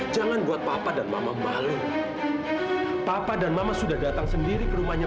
sampai jumpa di video selanjutnya